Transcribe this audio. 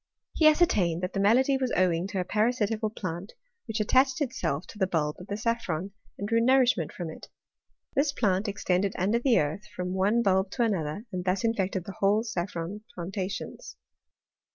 He ascertained that the malady was owing to a parasitical plant, which attached itself to the bulb of the saffron, and drew nourishment from it. This plant extended under the earth, from one bulb to another, and thus infected the whole saffron plantations.